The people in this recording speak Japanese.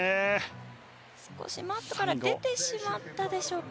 少しマットから出てしまったでしょうか。